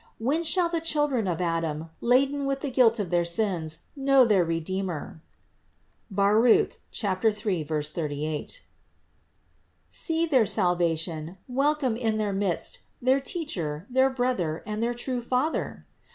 When shall the children of Adam, laden with the guilt of their sins, know their Redeemer (Baruch 3, 38), see their salvation, welcome in their midst their Teacher, their Brother and their true Father?